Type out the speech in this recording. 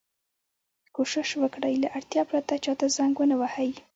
کوشش وکړئ! له اړتیا پرته چا ته زنګ و نه وهئ.